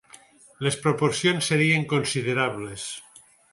Les proporcions serien considerables.